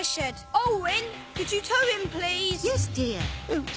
うん！